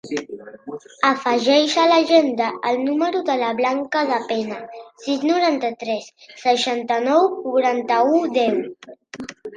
Afegeix a l'agenda el número de la Blanca Dapena: sis, noranta-tres, seixanta-nou, quaranta-u, deu.